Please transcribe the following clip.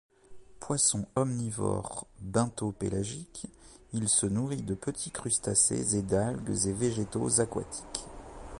Poisson omnivore, bentho-pélagique, il se nourrit de petits crustacés et d'algues et végétaux aquatiques.